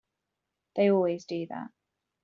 They always do that.